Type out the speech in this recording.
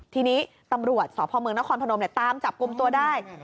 ทีนี้ตำรวจสพเมืองนครพนมตามจับกลุ่มตัวได้